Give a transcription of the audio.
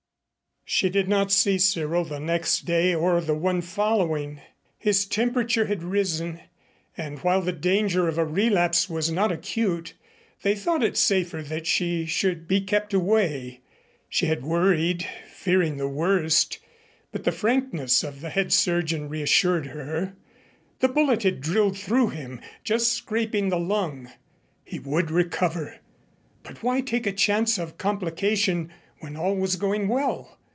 She did not see Cyril the next day or the one following. His temperature had risen, and while the danger of a relapse was not acute, they thought it safer that she be kept away. She had worried, fearing the worst, but the frankness of the head surgeon reassured her. The bullet had drilled through him, just scraping the lung. He would recover. But why take a chance of complication when all was going well?